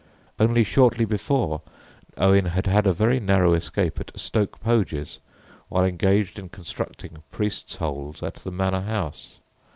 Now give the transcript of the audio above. Only shortly before Owen had had a very narrow escape at Stoke Poges while engaged in constructing "priests' holes" at the Manor House.